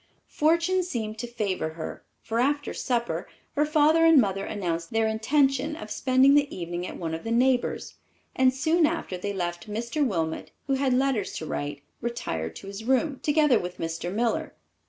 Fortune seemed to favor her, for after supper her father and mother announced their intention of spending the evening at one of the neighbors', and soon after they left Mr. Wilmot, who had letters to write, retired to his room, together with Mr. Miller.